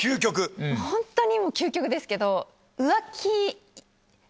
ホントに究極ですけど。